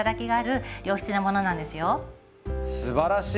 すばらしい！